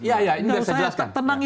ya ya ini harus saya jelaskan